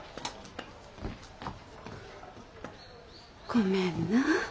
ごめんな。